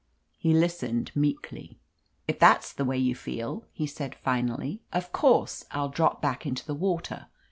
He listened meekly. "If that's the way you feel," he said finally, ■ "of course I'll drop back into the water.